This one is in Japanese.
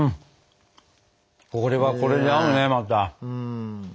これはこれで合うねまた。